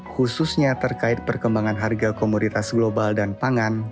khususnya terkait perkembangan harga komoditas global dan pangan